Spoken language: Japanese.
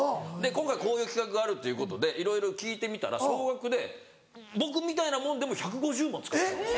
今回こういう企画があるっていうことでいろいろ聞いてみたら総額で僕みたいなもんでも１５０万使ってたんです。